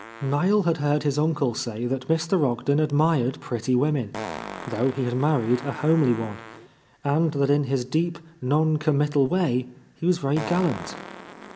Niel had heard his uncle say that Mr. Ogden admired pretty women, though he had married a homely one, and that in his deep, non committal way he was very gallant.